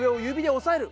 おさえる。